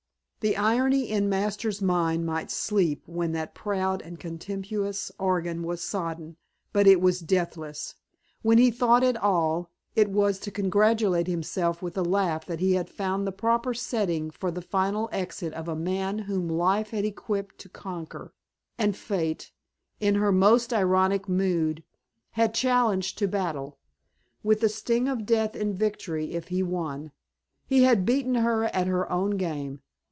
The irony in Masters' mind might sleep when that proud and contemptuous organ was sodden, but it was deathless. When he thought at all it was to congratulate himself with a laugh that he had found the proper setting for the final exit of a man whom Life had equipped to conquer, and Fate, in her most ironic mood, had challenged to battle; with the sting of death in victory if he won. He had beaten her at her own game.